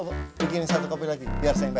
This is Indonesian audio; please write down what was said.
bikinin satu kopi lagi biar sengaja